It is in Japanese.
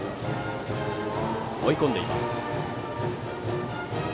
追い込んでいます。